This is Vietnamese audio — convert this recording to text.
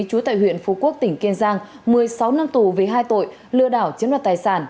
chú tại huyện phú quốc tỉnh kiên giang một mươi sáu năm tù về hai tội lừa đảo chiếm đoạt tài sản